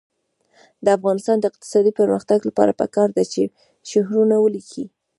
د افغانستان د اقتصادي پرمختګ لپاره پکار ده چې شعرونه ولیکو.